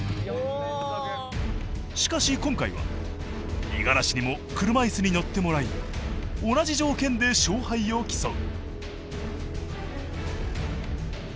しかし今回は五十嵐にも車いすに乗ってもらい同じ条件で勝敗を競う。